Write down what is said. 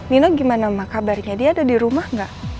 nino gimana ma kabarnya dia ada di rumah gak